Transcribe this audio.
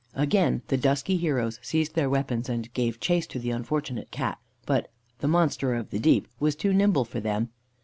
Again the dusky heroes seized their weapons and gave chase to the unfortunate Cat; but "the monster of the deep" was too nimble for them.